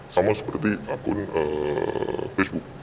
sama seperti akun facebook